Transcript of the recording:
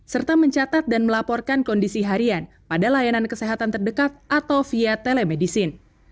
serta mencatat dan melaporkan kondisi harian pada layanan kesehatan terdekat atau via telemedicine